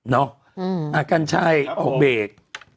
เนาะอากันใช่ออกเบรก